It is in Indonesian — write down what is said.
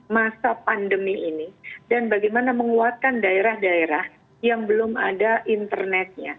masa pandemi ini dan bagaimana menguatkan daerah daerah yang belum ada internetnya